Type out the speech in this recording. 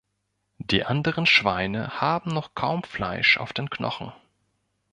Die anderen Schweine haben noch kaum Fleisch auf den Knochen.